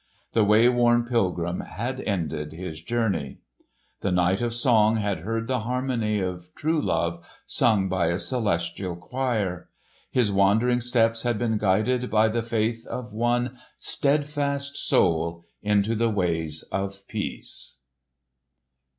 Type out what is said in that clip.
The way worn pilgrim had ended his journey. The Knight of Song had heard the harmony of true love sung by a celestial choir. His wandering steps had been guided by the faith of one steadfast soul into the ways of peace.